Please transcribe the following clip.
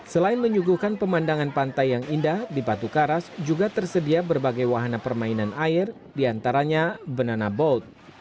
selain menyuguhkan pemandangan pantai yang indah di batu karas juga tersedia berbagai wahana permainan air diantaranya benana boat